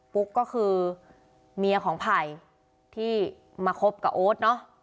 ปุ๊กก็คือเมียของไผ่ที่มาคบกับโอ๊ตเนอะ